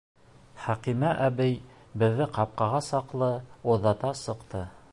Хәкимә әбей беҙҙе ҡапҡаға саҡлы оҙата сыҡты.